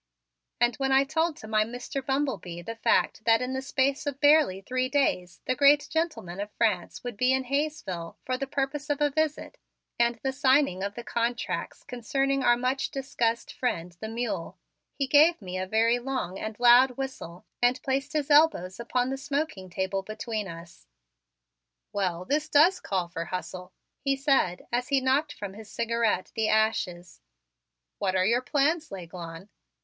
And when I told to my Mr. Bumble Bee the fact that in the space of barely three days the great gentleman of France would be in Hayesville for the purpose of a visit and the signing of the contracts concerning our much discussed friend, the mule, he gave a very long and loud whistle and placed his elbows upon the smoking table between us. "Well, this does call for hustle," he said as he knocked from his cigarette the ashes. "What are your plans, L'Aiglon?"